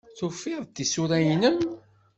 Tufiḍ-d tisura-nnem?